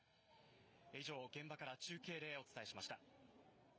以上、現場から中継でお伝えしました。